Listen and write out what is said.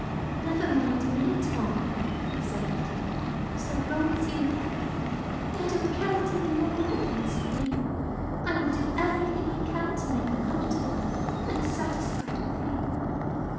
"Never mind me, Tom," said Letty. "So long as you love me, I don't care what even your mother thinks of me. I will do everything I can to make her comfortable, and satisfied with me."